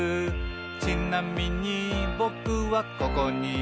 「ちなみにぼくはここにいます」